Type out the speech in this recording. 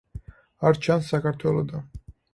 არ ჩანს საქართველოდან.